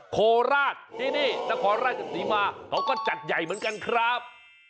โคราชที่นี่นครราชศรีมาเขาก็จัดใหญ่เหมือนกันครับ